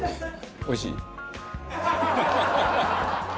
おいしい？